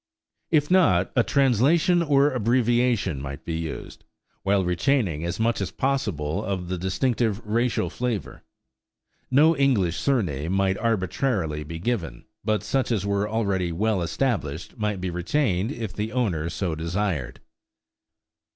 If not, a translation or abbreviation might be used, while retaining as much as possible of the distinctive racial flavor. No English surname might be arbitrarily given, but such as were already well established might be retained if the owner so desired.